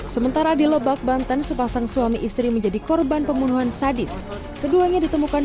sementara di lebak banten sepasang suami istri menjadi korban pembunuhan sadis keduanya ditemukan